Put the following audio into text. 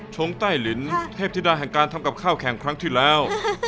ชงใต้ลินเทพธิดาแห่งการทำกับข้าวแข่งครั้งที่แล้ว